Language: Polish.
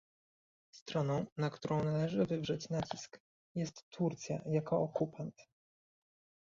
Stroną, na którą należy wywrzeć nacisk, jest Turcja, jako okupant